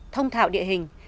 thông thạo địa hình